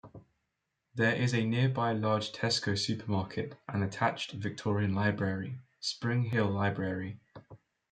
There is a nearby large Tesco supermarket and attached Victorian library, Spring Hill Library.